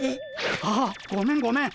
あっごめんごめん。